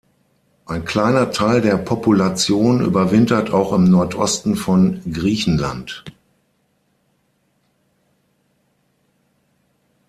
Ein kleiner Teil der Population überwintert auch im Nordosten von Griechenland.